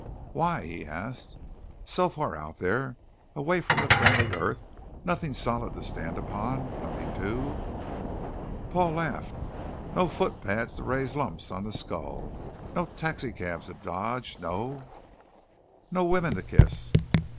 "Why?" he asked. "So far out there, away from the friendly earth; nothing solid to stand upon, nothing to " Paul laughed. "No footpads to raise lumps on the skull, no taxicabs to dodge, no " "No women to kiss?"